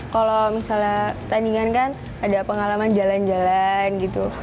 kalau misalnya pertandingan kan ada pengalaman jalan jalan gitu